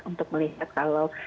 untuk melihat kalau